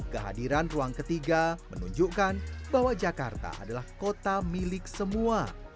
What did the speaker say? kehadiran ruang ketiga menunjukkan bahwa jakarta adalah kota milik semua